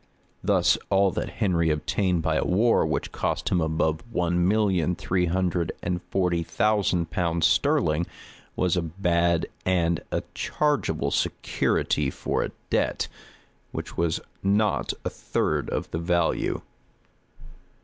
Thus all that Henry obtained by a war which cost him above one million three hundred and forty thousand pounds sterling,[*] was a bad and a chargeable security for a debt, which was not a third of the value. * Herbert. Stowe.